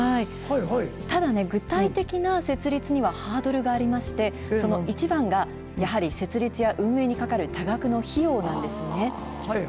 ただね、具体的な設立にはハードルがありまして、そのいちばんが、やはり設立や運営にかかる多額の費用なんですね。